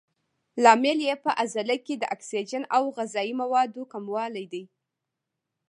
لامل یې په عضله کې د اکسیجن او غذایي موادو کموالی دی.